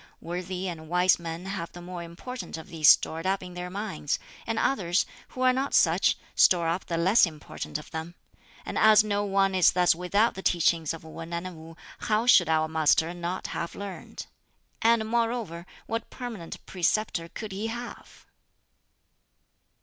Worthy and wise men have the more important of these stored up in their minds; and others, who are not such, store up the less important of them; and as no one is thus without the teachings of Wan and Wu, how should our Master not have learned? And moreover what permanent preceptor could he have?"